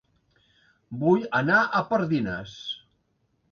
Vull anar a Pardines